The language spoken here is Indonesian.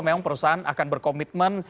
memang perusahaan akan berkomitmen